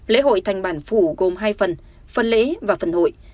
lễ hội thành bản phủ gồm hai phần phần lễ và phần hội